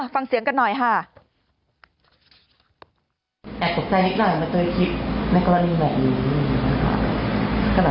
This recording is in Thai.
ฟังเสียงกันหน่อยค่ะ